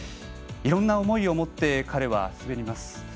いろんな思いを持って彼は滑ります。